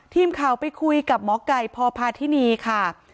ทีมข่าวไปคุยกับหมอไก่พพาธินีค่ะ